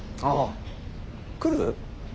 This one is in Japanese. ああ来る？